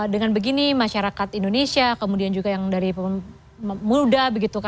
dengan begini masyarakat indonesia kemudian juga yang dari muda